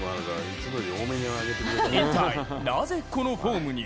一体なぜこのフォームに？